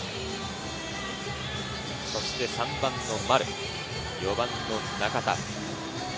そして３番・丸、４番・中田。